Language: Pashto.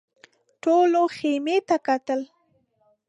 ټولو خيمې ته کتل.